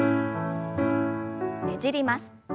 ねじります。